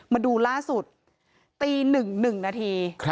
มาดูล่าสุดตีหนึ่งหนึ่งนาที